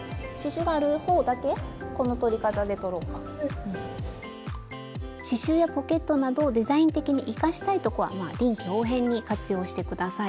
スタジオ刺しゅうやポケットなどデザイン的に生かしたいとこは臨機応変に活用して下さい。